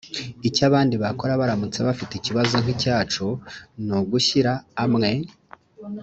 icyo abandi bakora baramutse bafite ikibazo nk icyacu ni ugushyira amwe